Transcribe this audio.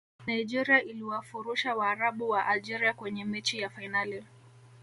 nigeria iliwafurusha waarabu wa algeria kwenye mechi ya fainali